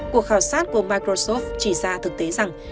cuộc khảo sát của microsoft chỉ ra thực tế rằng